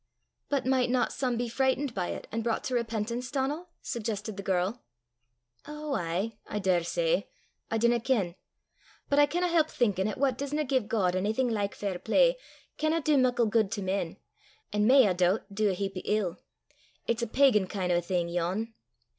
"But might not some be frightened by it, and brought to repentance, Donal?" suggested the girl. "Ou aye; I daur say; I dinna ken. But I canna help thinkin' 'at what disna gie God onything like fair play, canna dee muckle guid to men, an' may, I doobt, dee a heap o' ill. It's a pagan kin' o' a thing yon."